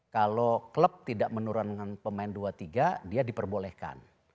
kalau klub tidak menurunkan pemain dua tiga dia diperbolehkan